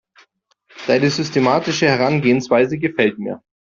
Deine systematische Herangehensweise gefällt mir.